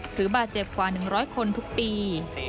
หรือบาดเจ็บกว่า๑๐๐คนทุกปี